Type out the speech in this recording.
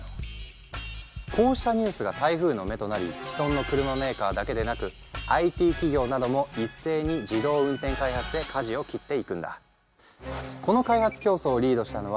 こうしたニュースが台風の目となり既存の車メーカーだけでなくＩＴ企業なども一斉に自動運転開発へかじを切っていくんだ。